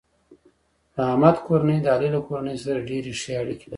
د احمد کورنۍ د علي له کورنۍ سره ډېرې ښې اړیکې لري.